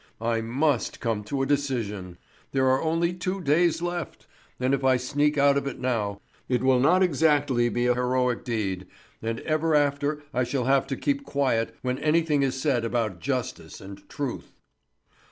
"I must come to a decision! There are only two days left! And if I sneak out of it now, it will not exactly be a heroic deed, and ever after I shall have to keep quiet when anything is said about justice and truth."